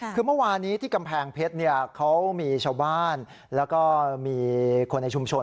คือเมื่อวานี้ที่กำแพงเพชรเขามีชาวบ้านแล้วก็มีคนในชุมชน